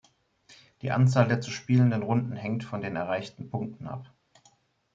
Die Anzahl der zu spielenden Runden hängt von den erreichten Punkten ab.